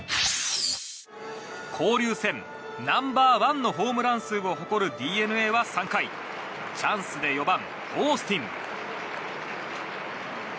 交流戦ナンバーワンのホームラン数を誇るＤｅＮＡは３回チャンスで４番、オースティン。